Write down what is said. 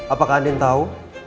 apakah andin tahu